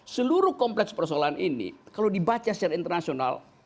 seluruh kompleks persoalan ini kalau dibaca secara internasional